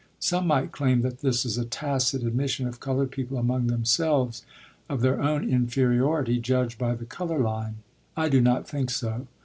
Some might claim that this is a tacit admission of colored people among themselves of their own inferiority judged by the color line. I do not think so.